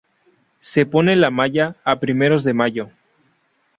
Se pone la "maya" a primeros de Mayo.